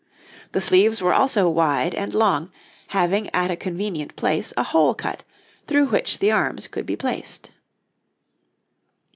The sleeves were also wide and long, having at a convenient place a hole cut, through which the arms could be placed.